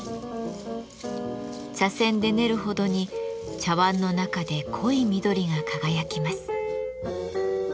茶せんで練るほどに茶わんの中で濃い緑が輝きます。